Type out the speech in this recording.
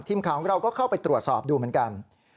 ทีมข่าวของเราก็เข้าไปตรวจสอบดูเหมือนกัน